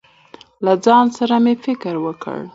له ځان سره مې فکر وکړ.